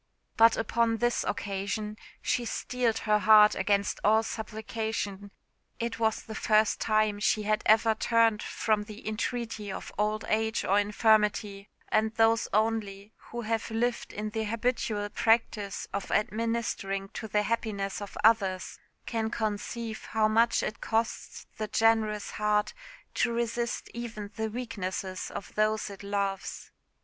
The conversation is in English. But upon this occasion she steeled her heart against all supplication. It was the first time she had ever turned from the entreaty of old age or infirmity; and those only who have lived in the habitual practice of administering to the happiness of others can conceive how much it costs the generous heart to resist even the weaknesses of those it loves.